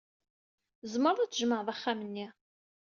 Tzemred ad tjemɛed axxam-nni.